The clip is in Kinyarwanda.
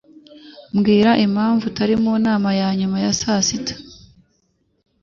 Mbwira impamvu utari mu nama ya nyuma ya saa sita.